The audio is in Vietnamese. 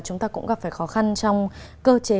chúng ta cũng gặp phải khó khăn trong cơ chế